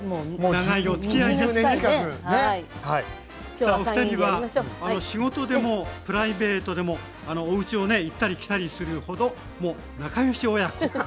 さあお二人は仕事でもプライベートでもおうちをね行ったり来たりするほどもう仲良し親子ですよね。